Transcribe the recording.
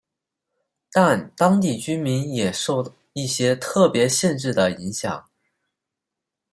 但当地居民也受一些特别限制的影响。